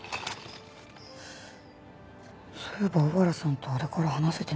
そういえば小原さんとあれから話せてないな。